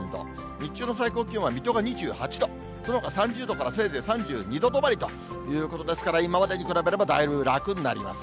日中の最高気温は水戸が２８度、そのほか３０度からせいぜい３２度止まりということですから、今までに比べればだいぶ楽になります。